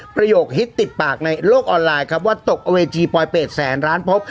ประโยคฮิตติดปากในโลกออนไลน์ครับว่าตกเอาเวทีปลอยเป็ดแสนร้านพบ